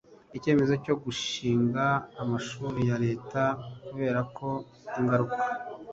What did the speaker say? ikemezo cyo gushinga amashuri ya Leta kubera ko ingaruka